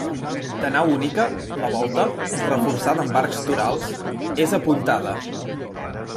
De nau única, la volta, reforçada amb arcs torals, és apuntada.